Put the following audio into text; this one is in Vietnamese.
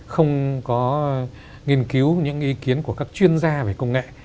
không có nghiên cứu những ý kiến của các chuyên gia về công nghệ